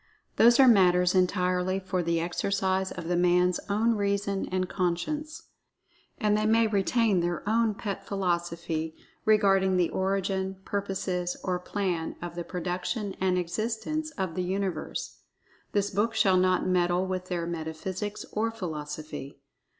Those are matters entirely for the exercise of the man's own reason and conscience. And they may retain their own pet philosophy regarding the origin, purposes or plan of the production and existence of the Universe—this book shall not meddle with their metaphysics or philosophy.